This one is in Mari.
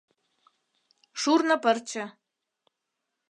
ШУРНО ПЫРЧЕ